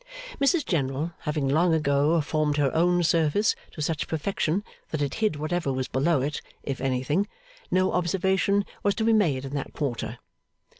Mrs General, having long ago formed her own surface to such perfection that it hid whatever was below it (if anything), no observation was to be made in that quarter.